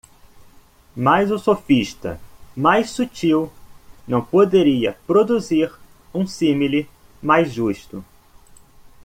Mas o sofista mais sutil não poderia produzir um símile mais justo.